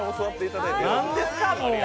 何ですかこれは！